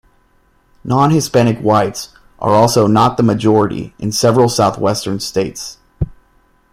Non-Hispanic whites are also not the majority in several southwestern states.